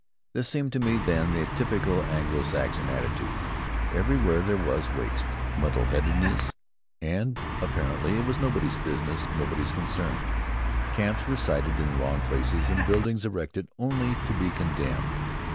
This seemed to me then the typical Anglo Saxon attitude. Everywhere there was waste, muddle headedness, and apparently it was nobody's business, nobody's concern. Camps were sited in the wrong places and buildings erected only to be condemned.